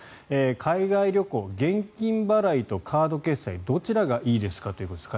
海外旅行で現金払いとカード決済どちらがいいですかということです。